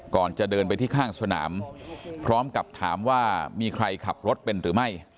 ก่อนจะเดินไปที่ข้างสนามพร้อมกับถามว่ามีใครขับรถเป็นหรือไม่